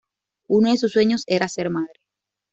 Uno de sus sueños era ser madre.